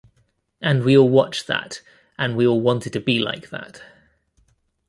And we all watched that, and we all wanted to be like that.